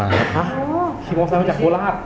มาขาด